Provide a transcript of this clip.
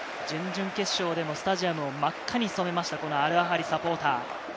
準々決勝でもスタジアムを真っ赤に染めました、アルアハリサポーター。